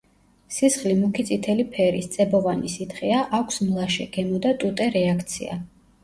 სისხლი მუქი წითელი ფერის, წებოვანი სითხეა, აქვს მლაშე გემო და ტუტე რეაქცია.